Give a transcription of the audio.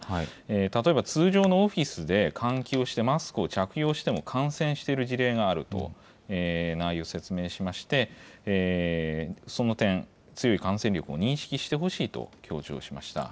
例えば、通常のオフィスで換気をしてマスクを着用しても感染してる事例があるという説明しまして、その点、強い感染力を認識してほしいと強調しました。